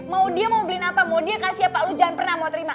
mau dia mau beliin apa mau dia kasih apa lo jangan pernah mau terima